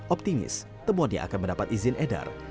optimis temuan yang akan mendapat izin edar